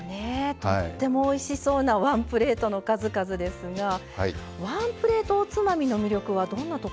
とってもおいしそうなワンプレートの数々ですがワンプレートおつまみの魅力はどんなところにありますか？